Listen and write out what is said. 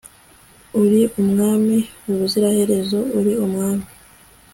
r/ uri umwami ubuziraherezo, uri umwami